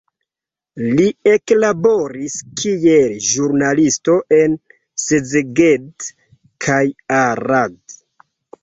Li eklaboris kiel ĵurnalisto en Szeged kaj Arad.